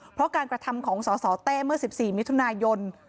เพราะการกระทำของสอสอเต้เมื่อ๑๔มิย